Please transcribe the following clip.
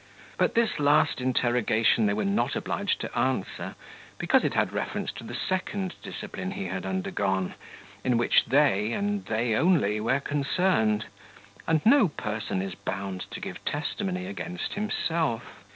But this last interrogation they were not obliged to answer, because it had reference to the second discipline he had undergone, in which they, and they only, were concerned; and no person is bound to give testimony against himself.